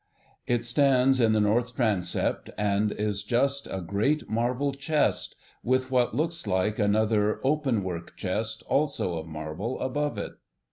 It stands in the north transept, and is just a great marble chest, with what looks like another 'openwork' chest, also of marble, above it.